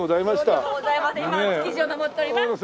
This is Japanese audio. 今は築地を守っております。